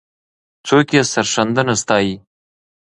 څوک یې سرښندنه ستایي؟